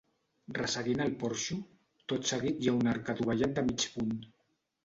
Resseguint el porxo, tot seguit hi ha un arc adovellat de mig punt.